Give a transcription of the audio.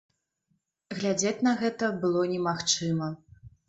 Глядзець на гэта было немагчыма.